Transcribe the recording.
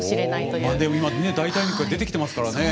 でも今ね代替肉が出てきてますからね。